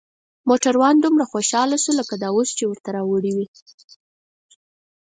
موټروان دومره خوشحاله شو لکه همدا اوس چې ورته راوړي وي.